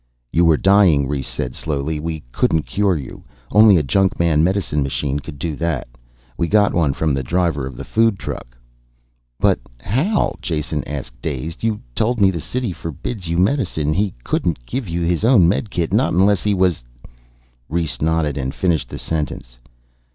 "You were dying," Rhes said slowly. "We couldn't cure you. Only a junkman medicine machine could do that. We got one from the driver of the food truck." "But how?" Jason asked, dazed. "You told me the city forbids you medicine. He couldn't give you his own medikit. Not unless he was " Rhes nodded and finished the sentence.